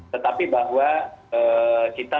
tetapi bahwa kita